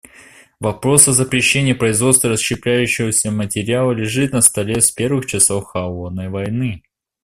Вопрос о запрещении производства расщепляющегося материала лежит на столе с первых часов "холодной войны".